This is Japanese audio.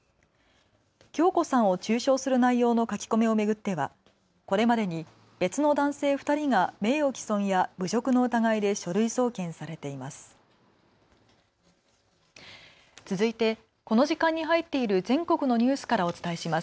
響子さんを中傷する内容の書き込みを巡っては、これまでに別の男性２人が名誉毀損や侮辱の疑いで書類送検されています。